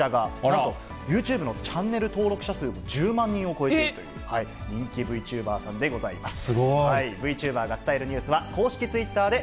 なんとユーチューブのチャンネル登録者数も１０万人を超えているという人気Ｖチューバーさんでございます。